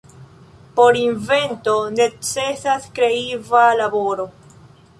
Por invento necesas kreiva laboro.